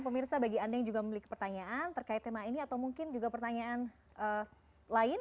pemirsa bagi anda yang juga memiliki pertanyaan terkait tema ini atau mungkin juga pertanyaan lain